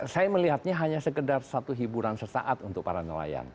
saya melihatnya hanya sekedar satu hiburan sesaat untuk para nelayan